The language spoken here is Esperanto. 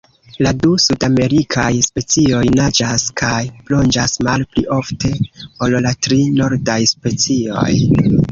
La du sudamerikaj specioj naĝas kaj plonĝas malpli ofte ol la tri nordaj specioj.